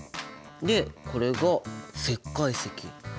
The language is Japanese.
でこれが石灰石。